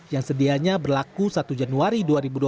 yang sedianya berlaku satu januari dua ribu dua puluh